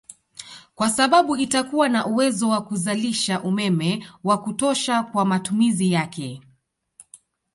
Kwa sababu itakuwa na uwezo wa kuzalisha umeme wa kutosha kwa matumizi yake